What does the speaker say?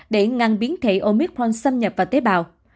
để ngăn biến thể omicron xâm nhập vào tế bào